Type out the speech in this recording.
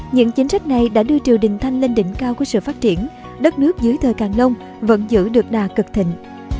những chính sách này đã đưa triều đình thanh lên đỉnh cao của sự phát triển đất nước dưới thời càng long vẫn giữ được đà cực thịnh